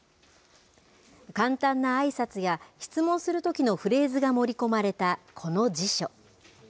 簡単なあいさつや質問するときのフレーズが盛り込まれた、この辞書。